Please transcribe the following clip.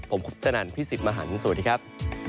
ผมคุปตนันพี่สิทธิ์มหันฯสวัสดีครับ